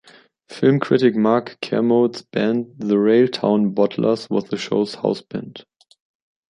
Film critic Mark Kermode's band The Railtown Bottlers was the show's house band.